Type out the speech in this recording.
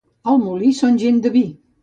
Al Molí són gent de vi.